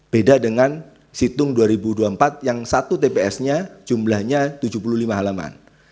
beda dengan situng dua ribu dua puluh empat yang satu tps nya jumlahnya tujuh puluh lima halaman